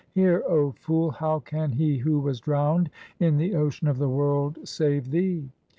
Hear, O fool, how can he who was drowned in the ocean of the world save thee